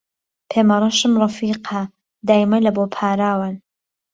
پێمهڕهشم رهفیقه دایمه له بۆ پاراوان